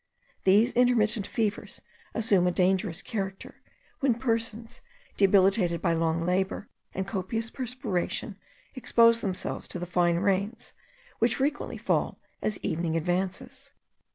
These intermittent fevers assume a dangerous character, when persons, debilitated by long labour and copious perspiration, expose themselves to the fine rains, which frequently fall as evening advances.